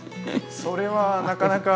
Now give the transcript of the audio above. それはなかなか。